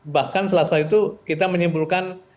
bahkan selasa itu kita menyimpulkan